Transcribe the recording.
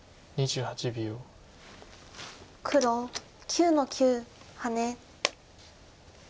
黒９の九ハネ。